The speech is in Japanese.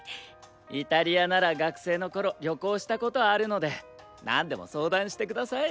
イタリアなら学生の頃旅行したことあるので何でも相談して下さい。